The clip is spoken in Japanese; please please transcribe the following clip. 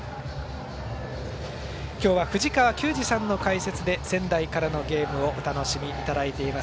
今日は藤川球児さんの解説で仙台からのゲームをお楽しみいただいております。